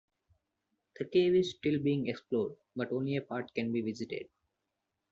The cave is still being explored, but only a part can be visited.